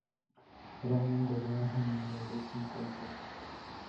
Era miembro de una familia de cinco hijos.